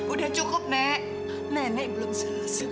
udah cukup nek nenek belum selesai